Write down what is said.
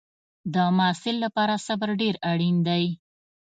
د محصل لپاره صبر ډېر اړین دی.